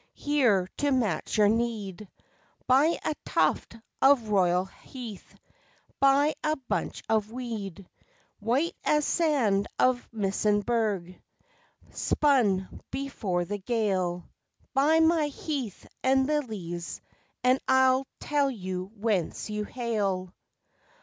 Here's to match your need. Buy a tuft of royal heath, Buy a bunch of weed White as sand of Muysenberg Spun before the gale Buy my heath and lilies And I'll tell you whence you hail!